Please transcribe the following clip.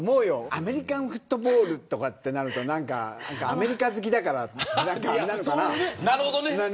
アメリカンフットボールとなるとアメリカ好きだからなのかな。